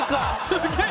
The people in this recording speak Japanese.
すげえ。